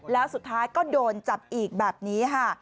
แล้วสุดท้ายก็โดนจับอีกแบบนี้ค่ะ